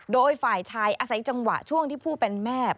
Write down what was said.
โดยฝ่ายชายอาศัยจังหวะช่วงที่ผู้เป็นแม่